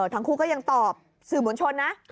ทั้งคู่ก็ยังตอบสื่อมวลชนนะ